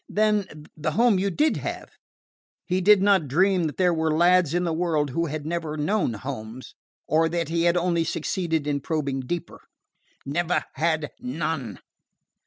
"Then the home you did have." He did not dream that there were lads in the world who never had known homes, or that he had only succeeded in probing deeper. "Never had none."